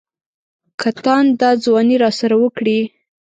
که تاند دا ځواني راسره وکړي.